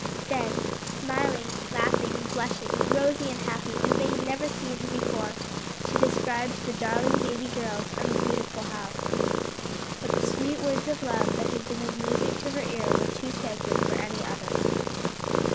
Then smiling, laughing, blushing, rosy and happy as they had never seen her before, she described the darling baby girls and the beautiful home. But the sweet words of love that had been as music to her ear were too sacred for any other.